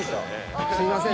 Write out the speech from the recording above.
すいません。